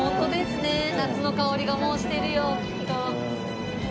夏の薫りがもうしてるよきっと。